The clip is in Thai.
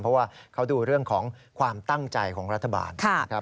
เพราะว่าเขาดูเรื่องของความตั้งใจของรัฐบาลนะครับ